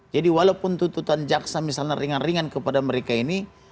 walaupun tuntutan jaksa misalnya ringan ringan kepada mereka ini